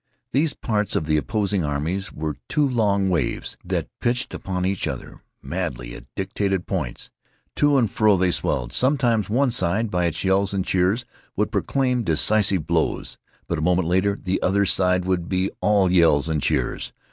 These parts of the opposing armies were two long waves that pitched upon each other madly at dictated points. To and fro they swelled. Sometimes, one side by its yells and cheers would proclaim decisive blows, but a moment later the other side would be all yells and cheers.